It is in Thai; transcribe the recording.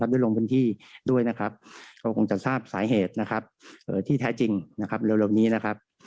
ได้ลงบนที่ด้วยนะครับก็คงจะทราบสาเหตุที่แท้จริงเร็วนี้นะครับ